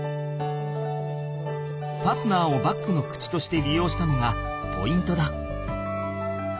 ファスナーをバッグの口としてりようしたのがポイントだ。